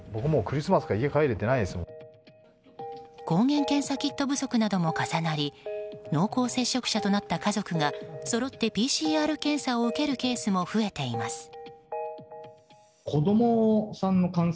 抗原検査キット不足なども重なり濃厚接触者となった家族がそろってＰＣＲ検査を受けるケースも増えています。